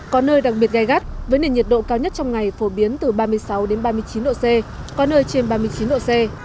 có nơi đặc biệt gai gắt với nền nhiệt độ cao nhất trong ngày phổ biến từ ba mươi sáu ba mươi chín độ c có nơi trên ba mươi chín độ c